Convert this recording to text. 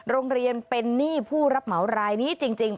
โรงเรียนเป็นหนี้ผู้รับเหมารายนี้จริง